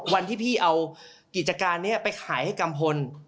วันที่พี่เอากิจการนี้ไปขายให้กัมพล